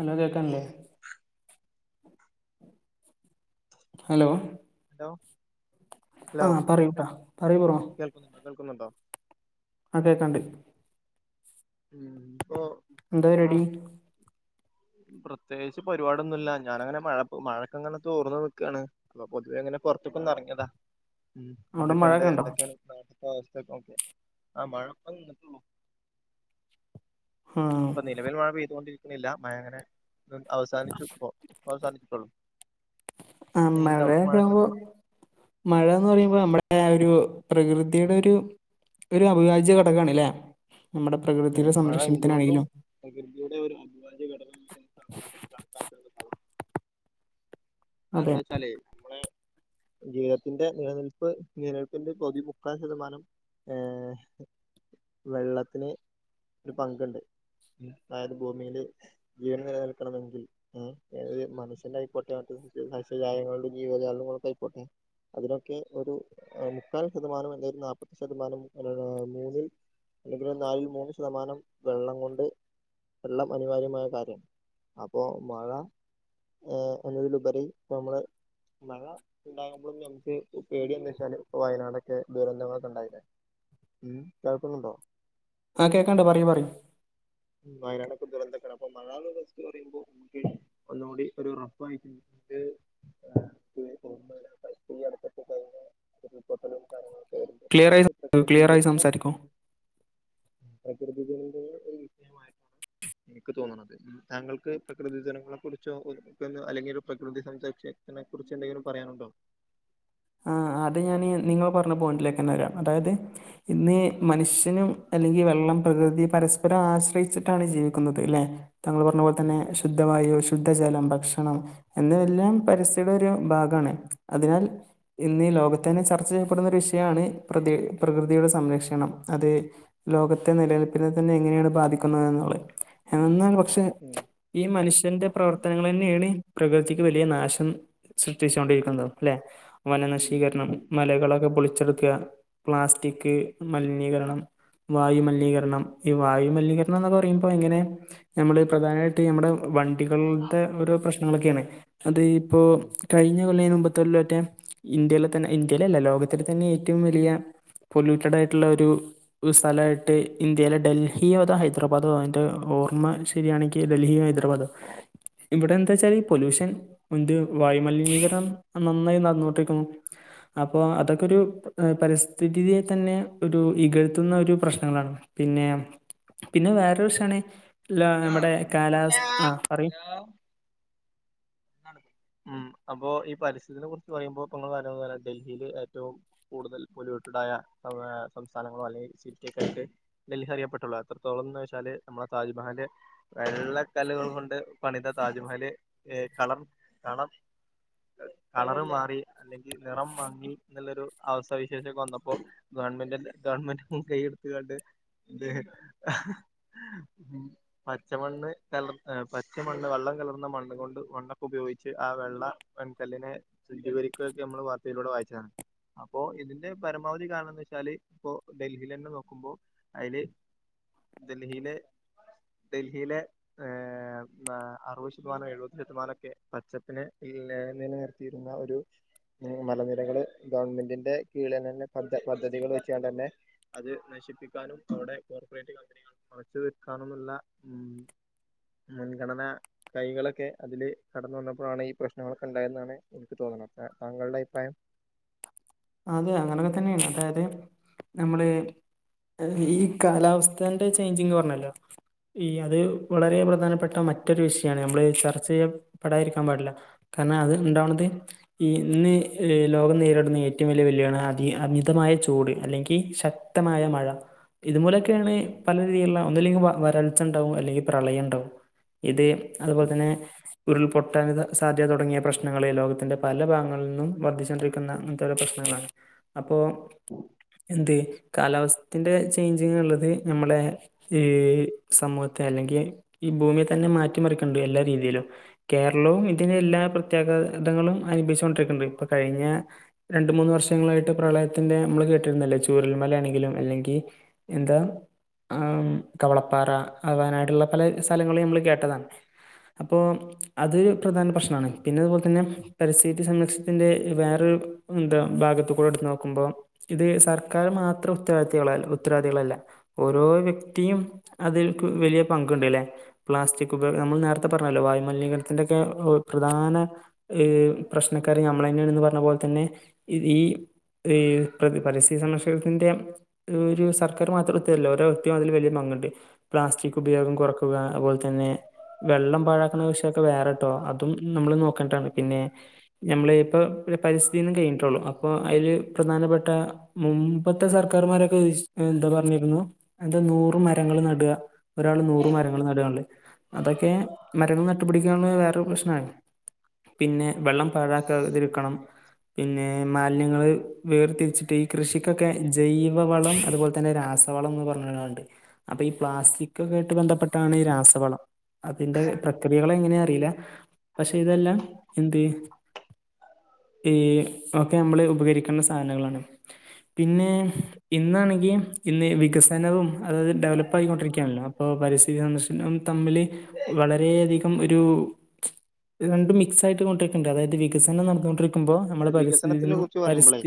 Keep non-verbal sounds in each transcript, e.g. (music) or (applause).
Hello കേക്കൺല്ലേ hello hello hello ആ പറയൂട്ടാ പറയൂ ബ്രോ കേൾക്കുന്നുണ്ടോ കേൾക്കുന്നുണ്ടോ? അതെക്കാണ്ട്. ഉം. ഇപ്പൊ ന്താ പരുവാടി? പ്രത്യേകിച്ചു പരുവാടി ഒന്നൂല്യ. ഞാനങ്ങനെ മഴപ്പം മഴയൊക്കെ ഇങ്ങനെ തോർന്ന് നിക്കാണ്. അപ്പൊ പൊതുവെ ഞ ഇങ്ങനെ പൊറത്തേക്കൊന്ന് റങ്ങിയത ഉം അവിടെ എന്തൊക്കെണ്ട് മഴയൊക്കെ ഉണ്ടോ എന്തൊക്കെണ്ട് (unintelligible) ആ മഴ ഇപ്പൊ നിന്നിട്ടുള്ളു. ആ ഇപ്പൊ നിലവിൽ മഴ പെയ്തുകൊണ്ടിരിക്കുന്നില്ല മഴ അങ്ങനെ- അവസാനിച്ചു ഇപ്പോ അവസാനിച്ചിട്ടൊള്ളു ആ മഴയൊക്കെയാവുമ്പോ മഴാന്ന് പറയുമ്പോ നമ്മടെയാരു- പ്രകൃതിയുടെ ഒരു ഒരു അഭിവാജ്യ ഘടകാണയില്ലേ ഉം മഴ എന്തുകൊണ്ടും പ്രകൃതിയുടെ ഒരു അഭിവാജ്യ ഘടകമായിട്ടാണ് (unintelligible) അത് അതെ എന്ത്‌വച്ചാലേ നമ്മളെ- ജീവിതത്തിന്റെ നിലനിൽപ്പ് നിലനിൽപ്പിന്റെ പകുതി മുക്കാൽ ശതമാനം ഏ വെള്ളത്തിന് ഒരു പങ്കുണ്ട് അതായത് ഭൂമിയില് ജീവൻ നിലനിൽക്കണമെങ്കിൽ അത് മനുഷ്യനായിക്കോട്ടെ അത് - സസ്യജാലങ്ങയുണ്ട് ജീവജാലങ്ങളോക്കെയായിക്കോട്ടെ- അതിനൊക്കെ ഒരു മുക്കാൽ ശതമാനം അല്ലേൽ നാല്പത് ശതമാനം മൂന്നിൽ- അല്ലെങ്കിലൊരു നാലിൽ മൂന്ന് ശതമാനം വെള്ളം കൊണ്ട്- വെള്ളം അനുവാര്യമായ കാര്യം അപ്പൊ മഴ- ഏ അതിലുപരി നമ്മള് - മഴ ഉണ്ടാകുമ്പോളും ഞമ്മക്ക് പേടിയെന്നുവെച്ചാല് വയനാടൊക്കെ ദുരന്തങ്ങളൊക്കെ ഉണ്ടായില്ലേ ഉം കേൾക്കുന്നുണ്ടോ ആ കേക്കണ്ട് പറയു പറയു വയനാടൊക്കെ ദുരന്തൊക്കെയാണ് അപ്പൊ മഴന്നുള്ള (unintelligible) പറയുമ്പോ നമക്ക് ഒന്നുകൂടി ഒരു റഫായിട്ട് - (unintelligible) കഴിഞ്ഞ് ഉരുൾപൊട്ടലും കാര്യങ്ങളും ക്ലിയർ ആയി ക്ലിയർ ആയി സംസാരിക്കൂ പ്രകൃതികളുടെ ഒരു വിഷയമായിട്ടാണ്- എനിക്ക് തോന്നണത് താങ്കൾക്ക് പ്രകൃതി ദിനങ്ങളെ കുറിച്ചോ അല്ലെങ്കിൽ ഒരു പ്രകൃതി (unintelligible) ഇതിനെ കുറിച്ചെന്തേലും പറയാനുണ്ടോ ആ അത് ഞാന് നിങ്ങൾ പറഞ്ഞ പോയിന്റിലേക്കെന്നെ വെരാ അതായത് ഇന്ന് മനുഷ്യനും അല്ലെങ്കി വെള്ളം പ്രകൃതി പരസ്പരം ആശ്രയിച്ചിട്ടാണ് ജീവിക്കുന്നത് ല്ലെ തങ്കൾ പറഞ്ഞ പോലെ തന്നെ ഉം ശുദ്ധവായു ശുദ്ധജലം ഭക്ഷണം ആണോ എന്നെല്ലാം പരസ്യയുടെ ഒരു ഭാഗാണ് അതിനാൽ ഇന്നീ ലോകത്തെന്നെ ചർച്ച ചെയ്യപ്പെടുന്ന ഒരു വിഷയാണ് പ്രതി പ്രകൃതിയുടെ സംരക്ഷണം അത് ലോകത്തെ നിലനിൽപ്പിനെ ത്തന്നെ എങ്ങനെയാണ് ബാധിക്കുന്നത് എന്നുള്ളത് (unintelligible) ക്ഷെ ഉം ഈ മനുഷ്യന്റെ പ്രവർത്തനങ്ങളെന്നെണ് പ്രകൃതിക്ക് വലിയ നാശം സൃഷ്ടിച്ചൊണ്ടിരിക്കുന്നത് ല്ലെ ഉം വനനശീകരണം മലകളൊക്കെ പൊളിച്ചെടുക്ക പ്ലാസ്റ്റിക് മലിനീകരണം വായുമലിനീകരണം ഈ വായുമലിനീകരണം ന്നൊക്കെ പറയുമ്പോ ങ്ങനെ ഞമ്മള് പ്രധാനായിട്ട് നമ്മടെ വണ്ടികളുടെ ഓരോ പ്രശ്നങ്ങളൊക്കെണ് അത് ഇപ്പോ കയ്ഞ്ഞ കൊല്ലേ പത്ത് കൊല്ലേറ്റെ ഇന്ത്യയിലെ തന്നെ ഇന്ത്യയിലല്ല ലോകത്തിലെ തന്നെ ഏറ്റവും വലിയ പൊലൂട്ടടായിട്ടുള്ള ഒരു ഒരു സ്ഥലായിട്ട് ഇന്ത്യയിലെ ഡൽഹിയോ അതോ ഹൈദരാബാദോ അയ്ന്റെ ഓർമ്മ ശെരിയാണെങ്കിൽ ഡൽഹി ഹൈദരാബാദോ ഇവിടെ എന്താച്ചാൽ പൊലൂഷൻ ഉണ്ട് വായുമലിനീകരണം നന്നായി നട്ന്നോണ്ടിരിക്കുന്നു അപ്പൊ അതൊക്കൊരു പരിസ്ഥിതിയെ തന്നെ ഒരു ഇകഴ്ത്തുന്നൊരു പ്രശ്നങ്ങളാണ് പിന്നെ പിന്നെ വേറെ വേർഷന് അല്ല ഉം നമ്മുടെ കാലാവസ്ഥ ആ പറയു ഉം ഉം അപ്പൊ ഈ പരിസ്ഥിതിനെ കുറിച്ച് പറയുമ്പോ ത കാര്യങ്ങൾ പറയാ ഡൽഹിൽ ഏറ്റവും കൂടുതൽ പൊല്യൂട്ടടായ സംസ്ഥാനങ്ങളും അല്ലെങ്കിൽ സിറ്റിയൊക്കെ ആയിട്ട് ഡൽഹി അറിയപ്പെട്ടുള്ളൂ അത്രത്തോളം വെച്ചാല് നമ്മളെ താജ്മഹല് വെള്ളക്കല്ലുകൾ കൊണ്ട് പണിത താജ്മഹല് കളർ കളർ കളർ മാറി അല്ലെങ്കിൽ നിറം മങ്ങി എന്നുള്ളൊരു അവസ്ഥാ വിശേഷൊക്ക വന്നപ്പോ ഗവൺമെന്റന്നെ ഗവൺമെന്റ്മുൻ കൈയടുത്താണ്ട് എ പച്ചമണ്ണ് കലർ പച്ചമണ്ണ് വെള്ളം കലർന്ന മണ്ണ് കൊണ്ട് മണ്ണൊക്കെ ഉപയോഗിച്ച് ആ വെള്ള വെൺകല്ലിനെ ശുദ്ചീകരിക്കുകയൊക്കെ നമ്മള് വാർത്തയിലൂടെ വായിച്ചതാണ് അപ്പോ ഇതിന്റെ പരമാവധി കാരണന്ന് വെച്ചാല് ഇപ്പൊ ഡൽഹിൽ തന്നെ നോക്കുമ്പോ അതില് ഡൽഹിയിലെ ഡൽഹിയിലെ ഏ അറുപത് ശതമാനം എഴുപത് ശതമനൊക്കെ പച്ചപ്പിനെ പിന്നെ നിലനിർത്തിയിരുന്ന ഒരു ഉം മലനിരകൾ ഗവൺമെന്റിന്റെ കീഴിൽ തന്നെ പദ്ധ പദ്ധതികൾ വെച്ചാണ്ട് തന്നെ അത് നശിപ്പിക്കാനും അവിടെ കോർപ്പറേറ്റ് കമ്പനികൾ അറച്ചു തീർക്കാനുമുള്ള ഉം മുൻഗണന കൈകളൊക്കെ അതില് കടന്നു വന്നപ്പോഴാണ് ഈ പ്രശ്നങ്ങളൊക്കെ ഉണ്ടായതെന്നാണ് എനിക്ക് തോന്നുന്നത് അ താങ്കളുടെ അഭിപ്രായം (inaudible) അതെ അങ്ങനെയൊക്കെ തന്നെയാണ് അതായത് നമ്മള് ഈ കാലാവസ്ഥന്റെ ചേഞ്ചിങ്ന്ന് പറഞ്ഞല്ലോ ഈ അത് വളരെ പ്രധാനപ്പെട്ട മറ്റൊരു വിഷയമാണ് നമ്മള് ചർച്ച ചെയ്യ പെടാതിരിക്കാൻ പാടില്ല കാരണം അത് ഉണ്ടാവണത് ഈ ഇന്ന് ലോകം നേരിടുന്ന ഏറ്റവും വലിയ വെല്ലണ് അതി അമിതമായ ചൂട് അല്ലെങ്കിൽ ശക്തമായ മഴ ഇത് മൂലൊക്കെയാണ് പല രീതിയിലുള്ള ഒന്നല്ലെങ്കിൽ വരൾച്ച ഉണ്ടാവും അല്ലെങ്കിൽ പ്രളയം ഉണ്ടാവും ഇത് അതുപോലെ തന്നെ ഉരുൾപൊട്ടാൻ സാധ്യത തുടങ്ങിയ പ്രശ്നങ്ങള്ൾ ലോകത്തിന്റെ പല ഭാഗങ്ങളും വർദ്ധിച്ചൊണ്ടിരിക്കുന്ന അങ്ങനത്തെ പ്രശ്നങ്ങളാണ് അപ്പോ എന്ത് കാലാവസ്ഥത്തിന്റെ ചേഞ്ചിങ് ഉള്ളത് നമ്മുടെ ഈ സമൂഹ അല്ലെങ്കിൽ ഈ ഭൂമിയെ തന്നെ മാറ്റിമറിക്കണ്ട് എല്ലാ രീതിയിലും കേരളവും ഇതിനെല്ലാ പ്രത്യേക ഇടങ്ങളും അനുഭവിച്ചുകൊണ്ടിരിക്കുന്നുണ്ട് ഇപ്പൊ കഴിഞ്ഞ രണ്ട മൂന്ന് വർഷങ്ങളായിട്ട് പ്രളയത്തിന്റെ നമ്മള് കേട്ടിരുന്നല്ലേ ചൂരൽ മലയാണെങ്കിലും അല്ലെങ്കിൽ എന്താ ആ കവളപ്പാറ അവാനായിട്ടുള്ള പല സ്ഥലങ്ങളും നമ്മള് കേട്ടതാണ് അപ്പോൊഅതൊരു പ്രധാന പ്രശ്നമാണ് പിന്നെ അതുപോലെ തന്നെ പരിസ്ഥിതി സംരക്ഷണത്തിന്റെ വേറൊരു എന്താ ഭാഗത്ത കൂടെ എടുത്തു നോക്കുമ്പോ ഇത് സർക്കാർ മാത്രം ഉത്തരവാദിക ഉത്തരവാദികളല്ല ഓരോ വ്യക്തിയും അതിൽക്ക് വലിയ പങ്കുണ്ട് ല്ലേ പ്ലാസ്റ്റിക്കുകൾ നമ്മൾ നേത്തെ പറഞ്ഞാല്ലോ വായ മലിനീകരത്തിന്റെക്കെ പ്രധാന ഇ പ്രശ്നക്കാര് നമ്മൾ തന്നെയാണന്ന് പറഞ്ഞ പോലെ തന്നെ ഈ ഇ പരിസ്ഥിതി സംരക്ഷണത്തിന്റെ ഒരു സർക്കാർ മാത്രം ഒര വ്യക്തി അതില് വന്നിട്ട് പ്ലാസ്റ്റിക് ഉപയോഗം കുറക്കുക അതുപോലെ തന്നെ വെള്ളം പാഴാക്ക്ണ വിഷയൊക്കെ വേറെട്ടോ അതും നമ്മള് നോക്കട്ടാണ് പിന്നെ നമ്മള് ഇപ്പൊ ഒരു പരിസ്ഥിതിദിനം കഴിഞ്ഞു അപ്പൊ അയില് പ്രധാനപ്പെട്ട മുമ്പത്തെ സർക്കാർമാരൊക്കെ എന്താ പറഞ്ഞിരുന്നു എന്താ നൂറ് മരങ്ങൾ നടാ ഒരാള് നൂറ് മരങ്ങൾ നടാ നല്ലത് അതൊക്കെ മരങ്ങള് നട്ടുപിടിക്കാനുള്ള വേറൊരു പ്രശ്നമാണ് പിന്നെ വെള്ളം പാഴാക്കാതിരിക്കണം പിന്നെ മാലിന്യങ്ങള് വേർതിരിച്ചിട്ട് ഈ കൃഷിക്കൊക്കെ ജൈവവളം അതുപോലെ തന്നെ രാസവള പറണ്ട് അപ്പൊ ഈ പ്ലാസ്റ്റിക്ക് ഒക്കെ ആയിട്ട് ബന്ധപ്പെട്ടാണ് ഈ രാസവളം അതിന്റെ പ്രക്രിയകള എങ്ങനെയ അറിയില്ല പക്ഷെ ഇതെല്ലാം എന്ത് ഈ ഒക്കെ നമ്മള് ഉപകരികുന്ന സാനങ്ങളാണ് പിന്നെ ഇന്നാണെങ്കിൽ ഇന്ന് വികസനവും അതത് ഡെവലപ്പ് ആയിക്കൊണ്ടിരിക്കണല്ലോ അപ്പോ പരിസ്ഥിതി സന്ദർശണം തമ്മില് വളരെയധികം ഒരു രണ്ട മിക്സ് ആയിട്ട്ണ്ടിണ്ട് അതായത് വികസനം നടന്നൊണ്ടിരിക്കുമ്പോ വികസനത്തിനെ കുറിച്ച് പറയുമ്പളെയ്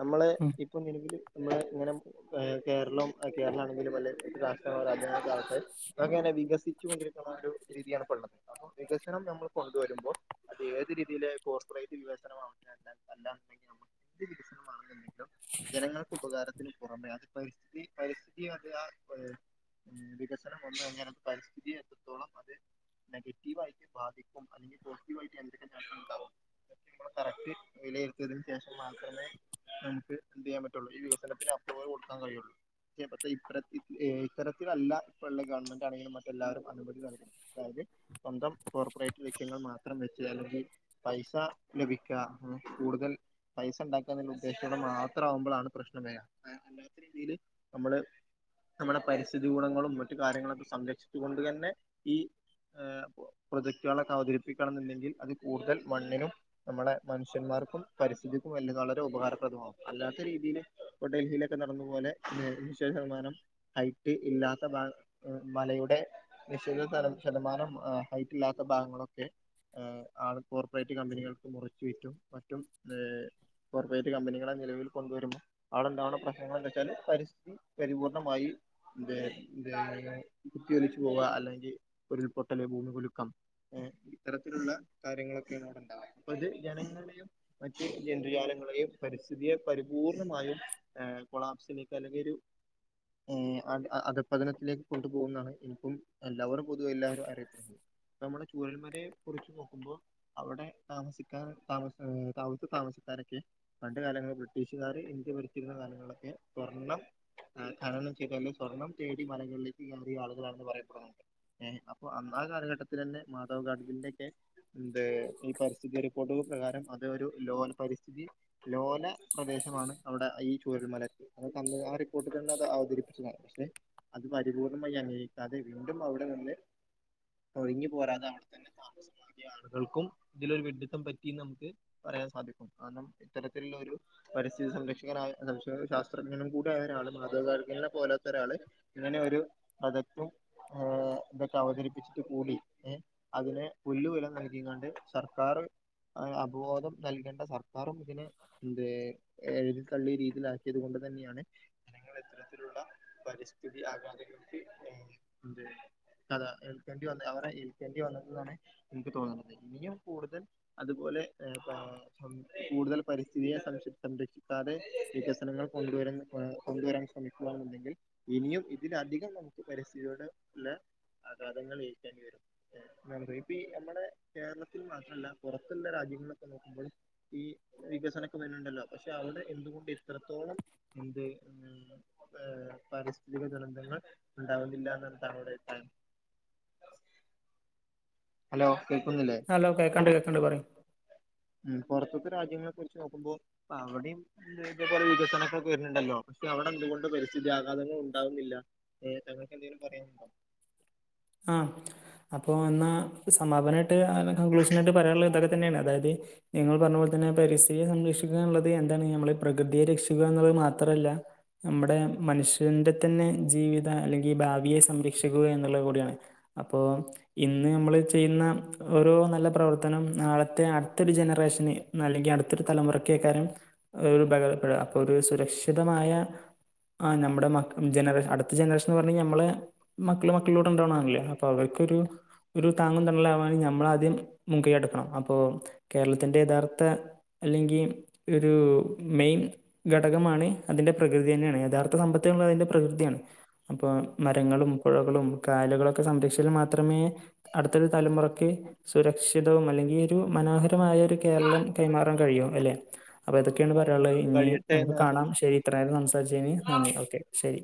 നമ്മള് ഉം ഇപ്പൊ നിലവില് നമ്മള് ഇങ്ങനെ കേരളം കേരളാണെങ്കിലും വല്ല രാഷ്ട്രങ്ങളോ രാജ്യങ്ങളോ കാലത്തു ഇതൊക്കെ വികസിച്ചി കൊണ്ടിരിക്കുന്ന ഒരു രീതി യാണ് (unintelligible) അപ്പോ വികസനം നമ്മൾ കൊണ്ടുവരുമ്പോൾ അത് ഏത് രീതിയില് കോർപ്പറേറ്റ് വികസനണല്ലല്ലണ്ടെങ്കിൽ നമ്മ എന്ത് വികസനമാണിൽ ജനങ്ങൾക്ക് ഉപകാരത്തിന് പുറമെ അത് പരിസ്ഥിതി പരിസ്ഥിതി അത് ആ ഇഹ് ഉം വികസനം ഒന്ന് എങ്ങനത് പരിസ്ഥിതി എത്രത്തോളം അത് നെഗറ്റീവ് ആയിട്ട് ബാധിക്കും അല്ലെങ്കിൽ പോസിറ്റീവായിട്ട് എന്തൊക്കെ കാര്യങ്ങൾ ഇണ്ടാവും കറക്റ്റ് വിലയിരുത്തിയതിന് ശേഷം മാത്രമേ നമുക്ക് എന്ത് ചെയ്യാൻ പറ്റുള്ളൂ ഈ വികസനത്തിന് അപ്പ്റൂവൽ കൊടുക്കാൻ കഴിയുള്ളൂ ചെപ്പോ ഇത്ത ഏഹ് ഇത്തരത്തിലല്ല ഇപ്പോള്ള ഗവൺമെന്റ് ആണെങ്കിലും മറ്റെല്ലാരും അനുമതി നൽകും അതായത് സ്വന്തം കോർപ്പറേറ്റ് ലക്ഷ്യങ്ങൾ മാത്രം വെച്ച് അലർജി പൈസ ലഭിക്കുക അങ്ങെ കൂടുതൽ പൈസ ഉണ്ടാക്കാ എന്നുള്ള ഉദ്ദേശത്തോടെ മാത്ര ആവുമ്പോളാണ് പ്രശ്നം വെര അല്ലാത്ത രീതിയില് നമ്മള് നമ്മുടെ പരിസ്ഥിതി ഗുണങ്ങളും മറ്റു കാര്യങ്ങളൊക്കെ സംരക്ഷിച്ചു കൊണ്ട് തന്നെ ഈ ഹ പ്രൊജക്ടുകളൊക്കെ അവതരിപ്പിക്കണന്നുണ്ടങ്കിൽ അതിൽ കൂടുതൽ മണ്ണിനും നമ്മളെ മനുഷ്യന്മാർക്കും പരിസ്ഥിതിക്കും (unintelligible) വളരെ ഉബകാര പെടണം അല്ലാത്ത രീതിയിൽ ഇ ഡൽഹിയിലൊക്കെ നടന്ന പോലെ നിശ്ചയ ശതമാനം ഹൈറ്റ് ഇല്ലാത്ത മലയൊ വിടെ നിശ്ചിത ശത ശതമാനം ഹൈറ്റ് ഇല്ലാത്ത ഭാഗങ്ങളൊക്കെ ഏഹ് ആൾ കോർപ്പറേറ്റ് കമ്പനികൾക്ക് മുറിച്ചു വിറ്റും മറ്റും ഏഹ് കോർപ്പറേറ്റ് കമ്പനികളെ നിലവിൽ കൊണ്ടുവരുമ്പോൾ അവിടെ എന്താണോ പ്രശ്നങ്ങൾന്ത വെച്ചാല് പരിസ്ഥിതി പരിപൂർണ്ണമായി ഏഹ് ഏഹ് കുത്തിയൊലിച്ചു പോവുക അല്ലെങ്കിൽ ഉരുൾപൊട്ടല് ഭൂമിക കുലുക്കം ഏഹ് ഇത്തരത്തിലുള്ള കാര്യങ്ങളൊക്കെ ഇതിനോടല്ല അപ്പൊ അത് ജനങ്ങളെയും മറ്റ് ജന്തുജാലങ്ങളെയും പരിസ്ഥിതിയെ പരിപൂർണമായി കോളാപ്സിലേക്ക് അല്ലെങ്കിൽ ഒരു ഏഹ് അത അധപദനത്തിലേക്ക് കൊണ്ട് പോവൂമെന്നാണ് ഇനിപ്പം എല്ലാവരും പൊതുവേ എല്ലാവരും അറിയപ്പെടുന്നത് നമ്മുടെ ചൂരന്മാലെ കുറിച്ച് നോക്കുമ്പോ അവിടെ താമസിക്കാൻ താമസ അവിടത്തെ താമസക്കാരൊക്കെ പണ്ട് കാലങ്ങളിൽ ബ്രിട്ടീഷുകാര് ഇന്ത്യ ഭരിച്ചിരുന്ന കാലങ്ങളൊക്കെ സൊർണ്ണം ആ ആ കണനും ചല്ല സ്വർണം തേടി മലകളിലേക്ക് കറ ആളുകളാണെന്ന് പറയപ്പെടുന്നുണ്ട് ഏ അപ്പൊ അന്നാ കാലഘട്ടത്തിൽ തന്നെ മാധവ് ഗാർ്ജുന്റെ ഒക്കെ മ് ഈ പരിസ്ഥിതി റിപ്പോർട്ടുകൾ പ്രകാരം അത് ഒരു ലോല പരിസ്ഥിതി ലോല പ്രദേശമാണ് അവിടെ ഈ ചുരൽമല അ തന്ന ആ റിപ്പോർട്ടിൽ തന്നെ അത് അവതരിപ്പിച്ചതാണ് പക്ഷെ അത് പരിപൂർണ്ണമായി അംഗീകരിക്കാതെ വീണ്ടും അവിടെ വന്ന് ഒഴങ്ങി പോരാതെ അവിടെ തന്നെ താമസം നൽകിയ ആൾകള് കൾക്കും ഇതിലോരു വിഡ്ഢിത്തം പറ്റിന്ന് നമുക്ക് പറയാൻ സാധിക്കും കാരണം ഇത്തരത്തിലുള്ള ഒരു പരിസ്ഥി സംരക്ഷികനായ (unintelligible) ശാസ്ത്രജ്ഞനും കൂടിയായ ഒരാള് മാധവധാരണീനെ പോലാത്ത ഒരാള് ഇങ്ങനെ ഒരു (unintelligible) ഏ ഇതൊക്കെ അവതരിപ്പിച്ചിട്ട് കൂടി ഏ അതിന് പുല്ലുവില നൽ ക്കിക്കാണ്ട് സർക്കാർ ആ അവബോധം നൽകേണ്ട സർക്കാറും ഇതിനെ എന്തേ എഴുതി തള്ളിയ രീതിയിലാക്കിയത് കൊണ്ട് തന്നെയാണ് ഞങ്ങൾ ഇത്തരത്തിലുള്ള പരിസ്ഥിതി ആഘാതകർക്ക് എതിരെ കഥ ഏൽക്കേണ്ടി വന്ന അവരെ ഏൽക്കേണ്ടി വന്നി താണേ എനിക്ക് തോന്നുന്നത് ഇനിയും കൂടുതൽ അതുപോലെ ഏ പ സൊ കൂടുതൽ പരിസ്ഥിതിയെ സംക്ഷി സംരക്ഷി ക്കാതെ വികസനങ്ങൾ കൊണ്ടുവരുന്നെ കൊണ്ടുവരാൻ ശ്രമിക്കുകയാണുണ്ടെങ്കിൽ ഇനിയും ഇതിലധികം നമ നമുക്ക് പരിസ്ഥിതിയോട് ഉല്ല അഘാതങ്ങൾ ഏൽക്കേണ്ടി വരും ഏ റി പി നമ്മടെ കേരളത്തിൽ മാത്രല്ല പുറത്തുള്ള രാജ്യങ്ങളിലൊക്കെ നോക്കുമ്പളും ഈ വികസനൊക്കെ വരുന്നുണ്ടല്ലോ പക്ഷെ അവ ടെ എന്തുകൊണ്ട് ഇത്രത്തോളം എന്ത് മ്മ് ഏഹ് പാരിസ്ഥിതിക ദുരന്തങ്ങൾ ഉണ്ടാവുന്നില്ലന്നെന്താ അവിടെ അഭിപ്രായം ഹലോ കേൾക്കുന്നില്ലേ ഹലോ കേക്കണ്ട് കേക്കണ്ട് പറയ് ഉം പൊറത്തൊക്കെ രാജ്യങ്ങളെ കുറിച്ച് നോക്കുമ്പോ അവിടെയും ഇതേപോലെ വികസനൊക്കെ കേട്ടിട്ടുണ്ടല്ലോ പക്ഷെ അവിടെ എന്തുകൊണ്ട് പരിസ്ഥിതി ആഘാതങ്ങൾ ഉണ്ടാവുന്നില്ല ഏ തങ്ങൾക്ക് എന്തെങ്കിലും പറയാനുണ്ടോ ആഹ് അപ്പൊ എന്നാ സമാപനായിട്ട് അങ്ങനെ കൺക്ലൂഷനായിട്ട് പറയാനുള്ള ഇതൊക്കെ തന്നെയാണ് അതായത് നിങ്ങള് പറഞ്ഞപോലെ തന്നെ പരിസ്ഥിതിയെ സംരക്ഷിക്കുകാനുള്ളത് എന്താണ് നമ്മൾ ഈ പ്രകൃതിയെ രക്ഷിക്കുക എന്നുള്ളത് മാത്രല്ല നമ്മുടെ മനുഷ്യന്റെ തന്നെ ജീവിത അല്ലെങ്കി ഭാവിയെ സംരക്ഷിക്കുക എന്നുള്ളത് കൂടിയാണ് അപ്പോ ഇന്ന് നമ്മള് ചെയ്യുന്ന ഓരോ നല്ല പ്രവർത്തനം നാളത്തെ അടുത്തൊരു ജനറേഷന് നല്ലെങ്കി അടുത്തൊരു തലമുറക്കേക്കാനും ഒരു ബെല ബെല അപ്പൊ ഒരു സുരക്ഷിതമായ ആ നമ്മുടെ മക് ജനറേഷൻ അടുത്ത ജനറേഷൻന്ന് പറഞ്ഞ നമ്മള് മക്കളും മക്കളിലൂടെയുണ്ടാവണം ല്ലേ അപ്പൊ അവർക്കൊരു ഒരു താങ്ങും തണലാവാന് നമ്മളാദ്യം മുങ്കയ് എടുക്കണം അപ്പൊ കേരളത്തിന്റെ യഥാർത്ഥ അല്ലെങ്കി ഒരു മെയിൻ ഘടകമാണ് അതിൻ്റെ പ്രകൃതി തന്നെയാണ് യഥാർത്ഥ സമ്പത്ത് നമ്മൾ അതിൻ്റെ പ്രകൃതിയാണ് അപ്പൊ ഉം മരങ്ങളും പുഴകളും കായലുകളൊ ക്കെ സംരക്ഷിച്ചാൽ മാത്രമേ അടുത്തൊരു തലമുറക്ക് സുരക്ഷിതവും അല്ലെങ്കി ഒരു മനോഹരമായ പുതിയൊരു കേരളം കൈമാറാൻ കഴിയു അല്ലെ അപ്പൊ ഇതൊക്കെയാണ് ഉം പറയാനുള്ളത് ഇനി കഴിയട്ടെ നമുക്ക് എന്ന് കാണാം ശരി ആശംസിക്കുന്നു ഇത്ര നേരം സംസാരിച്ചേന് നന്ദി ഓക്കെ ശരി